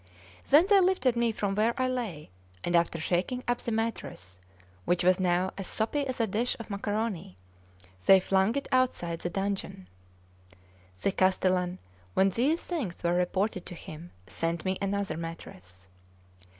Then they lifted me from where I lay, and after shaking up the mattress, which was now as soppy as a dish of maccaroni, they flung it outside the dungeon. The castellan, when these things were reported to him, sent me another mattress.